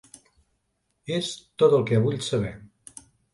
És tot el que vull saber.